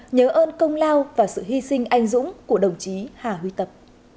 nhớ ơn công lao và sự hy sinh anh dũng của đồng chí hà huy tập